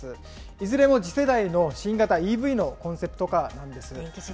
いずれも次世代の新型ＥＶのコンセプトカーなんです。